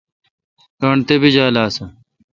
گانٹھ تپیجال آسہ۔؟